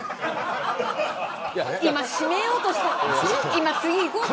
今、締めようとした。